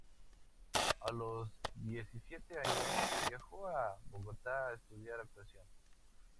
A los diecisiete años viajó a Bogotá a estudiar actuación.